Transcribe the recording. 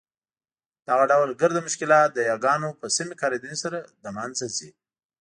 دغه ډول ګرده مشکلات د یاګانو په سمي کارېدني سره له مینځه ځي.